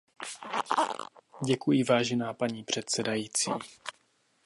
Děkuji, vážená paní předsedající.